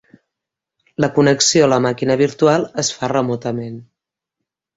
La connexió a la màquina virtual es fa remotament.